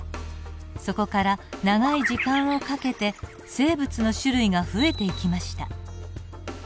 そこから長い時間をかけて生物の種類が増えていきました。